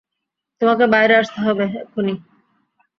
তোমাকে বাইরে আসতে হবে, এক্ষুণি।